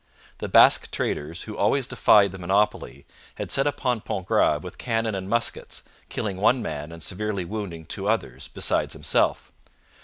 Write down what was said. The Basque traders, who always defied the monopoly, had set upon Pontgrave with cannon and muskets, killing one man and severely wounding two others, besides himself.